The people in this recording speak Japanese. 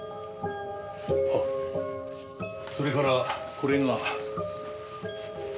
あっそれからこれが。